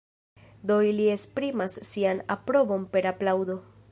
Do ili esprimas sian aprobon per aplaŭdo.